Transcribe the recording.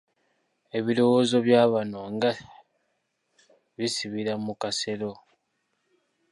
Ebirowoozo bya bano nga bisibira mu kasero.